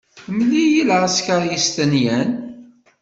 Mel-iyi lɛesker yestenyan.